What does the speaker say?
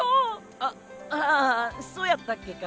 あああそやったっけか？